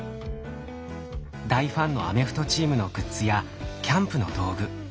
大ファンのアメフトチームのグッズやキャンプの道具。